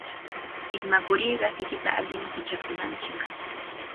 Ismakurirqa sikita allimi pichakunanchik.